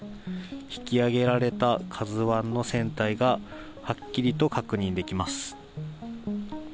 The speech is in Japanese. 引き揚げられたＫＡＺＵＩの船体がはっきりと確認できます。